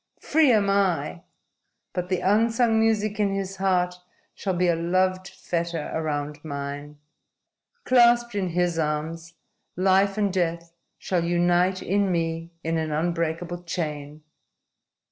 Free am I! But the unsung music in his heart shall be a loved fetter around mine. Clasped in his arms, life and death shall unite in me in an unbreakable chain.